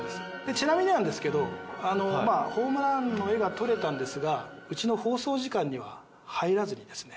ちなみになんですけどホームランの画が撮れたんですがうちの放送時間には入らずにですね。